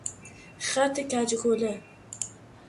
خط کج و کوله